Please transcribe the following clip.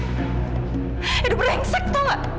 hidup rengsek tau gak